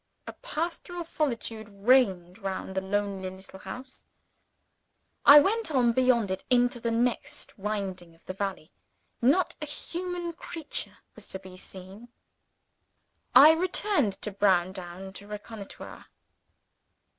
A pastoral solitude reigned round the lonely little house. I went on beyond it, into the next winding of the valley. Not a human creature was to be seen. I returned to Browndown to reconnoiter.